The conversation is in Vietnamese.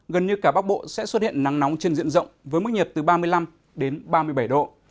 gần như cả bắc bộ sẽ xuất hiện nắng nóng trên diện rộng với mức nhiệt từ ba mươi năm đến ba mươi bảy độ